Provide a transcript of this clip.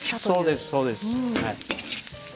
そうですそうです。